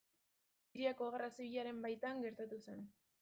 Siriako Gerra Zibilaren baitan gertatu zen.